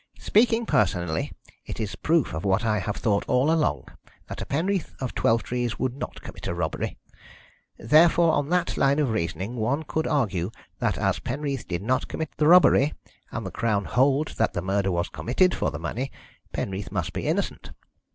"Speaking personally, it is proof of what I have thought all along, that a Penreath of Twelvetrees would not commit a robbery. Therefore, on that line of reasoning, one could argue that as Penreath did not commit the robbery, and the Crown hold that the murder was committed for the money, Penreath must be innocent.